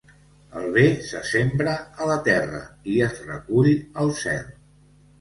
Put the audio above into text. El bé se sembra a la terra i es recull al cel.